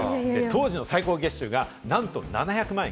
当時の最高月収がなんと７００万円。